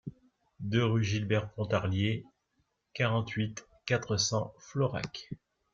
deux rue Gilbert Portalier, quarante-huit, quatre cents, Florac